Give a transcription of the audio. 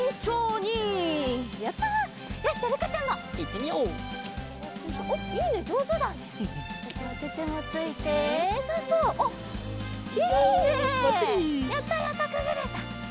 やったやったくぐれた！